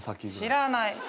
知らない。